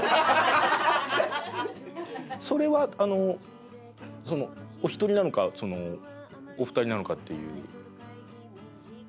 それはあのお一人なのかお二人なのかっていう。